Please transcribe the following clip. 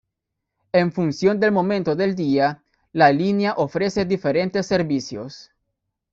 En función del momento del día, la línea ofrece diferentes servicios.